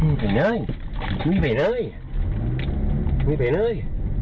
เอาไว้